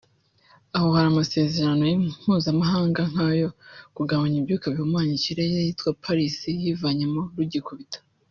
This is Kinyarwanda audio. aho hari n’amasezerano mpuzamahanga nk’ayo kugabanya ibyuka bihumanya ikirere yitiriwe Paris yivanyemo rugikubita